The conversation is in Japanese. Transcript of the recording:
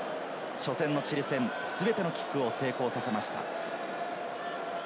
初戦のチリ戦、全てのキックを成功させました。